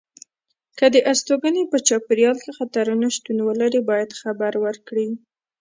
که د استوګنې په چاپېریال کې خطرونه شتون ولري باید خبر ورکړي.